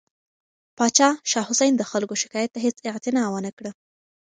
پاچا شاه حسین د خلکو شکایت ته هیڅ اعتنا ونه کړه.